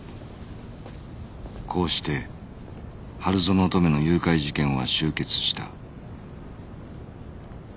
こうして春薗乙女の誘拐事件は終結した